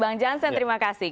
bang jansan terima kasih